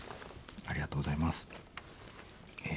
ありがとうございます。